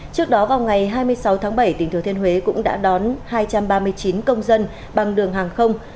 trước đó vào ngày hai mươi sáu tháng bảy tỉnh thừa thiên huế cũng đã đón hai trăm ba mươi chín công dân bằng đường hàng không